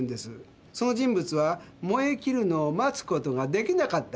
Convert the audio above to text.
その人物は燃え切るのを待つことができなかった。